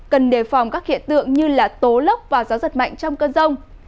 cần đề phòng các hiện tượng như tố lốc và gió giật mạnh trong cơn rông